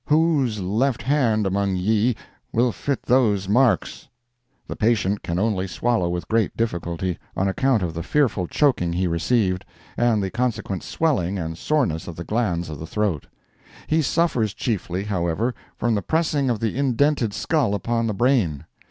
(Whose left hand among ye will fit those marks?) The patient can only swallow with great difficulty, on account of the fearful choking he received, and the consequent swelling and soreness of the glands of the throat. He suffers chiefly, however, from the pressing of the indented skull upon the brain.